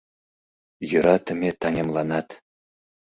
Йӧратыме таҥемланат